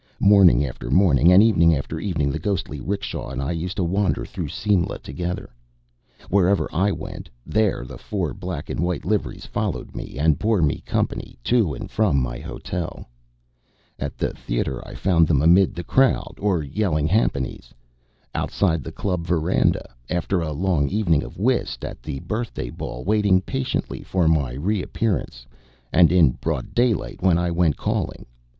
Morning after morning and evening after evening the ghostly 'rickshaw and I used to wander through Simla together. Wherever I went there the four black and white liveries followed me and bore me company to and from my hotel. At the Theatre I found them amid the crowd or yelling jhampanies; outside the Club veranda, after a long evening of whist; at the Birthday Ball, waiting patiently for my reappearance; and in broad daylight when I went calling.